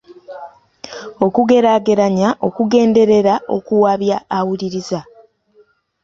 Okugeraageranya okugenderera okuwabya awuliriza.